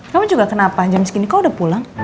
kamu juga kenapa jam segini kau udah pulang